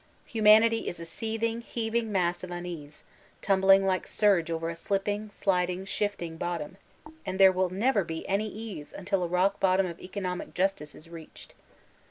Humanity is a seething, heaving mass of unease, tumbling like surge over a slipping, sliding, shifting bottom; and there will never be any ease until a rock bottom of economic justice is reached.